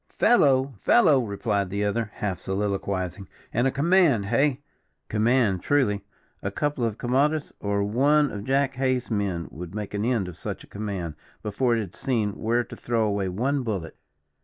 "Fellow! fellow!" replied the other, half soliloquizing, "and a command, hey! command, truly; a couple of camaudus, or one of Jack Hays' men would make an end of such a command, before it had seen where to throw away one bullet."